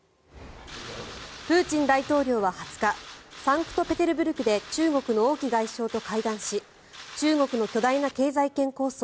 プーチン大統領は２０日サンクトペテルブルクで中国の王毅外相と会談し中国の巨大な経済圏構想